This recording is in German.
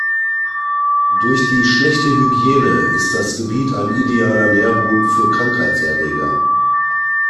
Durch die schlechte Hygiene ist das Gebiet ein idealer Nährboden für Krankheitserreger.